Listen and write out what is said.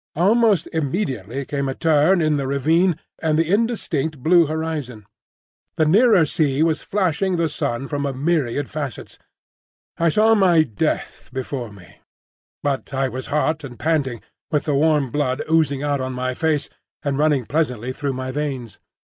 Almost immediately came a turn in the ravine, and the indistinct blue horizon. The nearer sea was flashing the sun from a myriad facets. I saw my death before me; but I was hot and panting, with the warm blood oozing out on my face and running pleasantly through my veins.